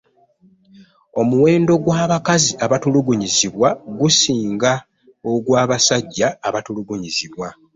Omuwendo gw'abakazi abatulugunyizibwa gusinga ogw'abasajja abatulugunyizibwa.